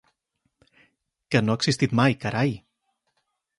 Que no ha existit mai, carai.